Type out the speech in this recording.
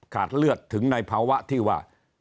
เลือดถึงในภาวะที่ว่า